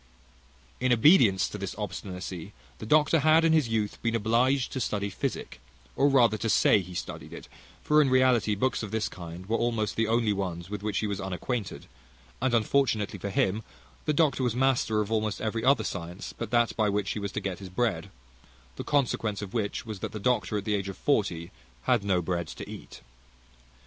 In obedience to this obstinacy the doctor had in his youth been obliged to study physic, or rather to say he studied it; for in reality books of this kind were almost the only ones with which he was unacquainted; and unfortunately for him, the doctor was master of almost every other science but that by which he was to get his bread; the consequence of which was, that the doctor at the age of forty had no bread to eat.